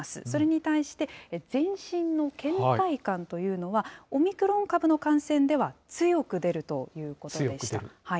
それに対して、全身のけん怠感というのは、オミクロン株の感染では強く出るということでした。